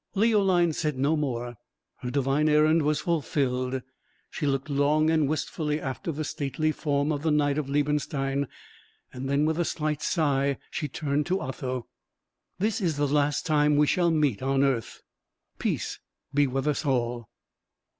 Leoline said no more; her divine errand was fulfilled. She looked long and wistfully after the stately form of the knight of Liebenstein, and then, with a slight sigh, she turned to Otho, "This is the last time we shall meet on earth. Peace be with us all!"